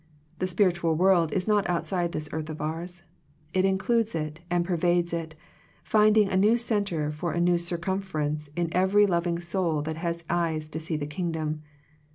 The spiritual world is not outside this earth of ours. It includes it and pervades it, finding a new centre for a new cir cumference in every loving soul that has eyes to see the Kingdom.